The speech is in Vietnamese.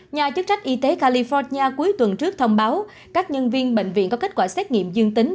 nhà chức trách y tế california cuối tuần trước thông báo các nhân viên bệnh viện có kết quả xét nghiệm dương tính